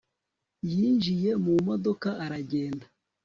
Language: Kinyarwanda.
yinjiye mu modoka aragenda